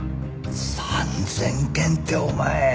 ３０００件ってお前。